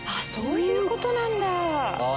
そういうことなんだ！